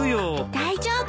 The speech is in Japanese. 大丈夫。